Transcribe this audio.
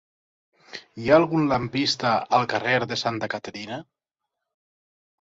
Hi ha algun lampista al carrer de Santa Caterina?